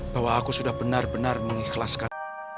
bahwa aku sudah benar benar mengikhlaskan